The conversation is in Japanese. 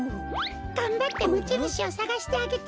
がんばってもちぬしをさがしてあげて。